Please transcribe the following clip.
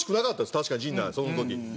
確かに陣内はその時。